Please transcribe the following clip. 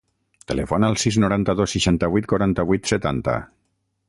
Telefona al sis, noranta-dos, seixanta-vuit, quaranta-vuit, setanta.